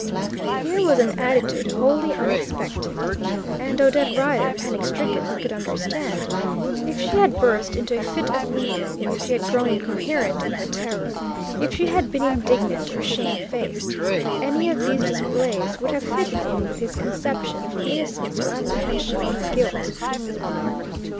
Here was an attitude wholly unexpected. And Odette Rider panic stricken he could understand. If she had burst into a fit of weeping, if she had grown incoherent in her terror, if she had been indignant or shame faced any of these displays would have fitted in with his conception of her innocence or apprehension of her guilt.